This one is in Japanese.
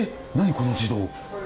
この自動。